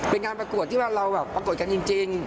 เป็นงานประกวดที่ว่าเราแบบประกวดกันจริง